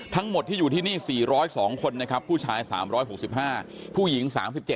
ทั้งหมดที่อยู่ที่นี่๔๐๒คนนะครับผู้ชาย๓๖๕ผู้หญิง๓๗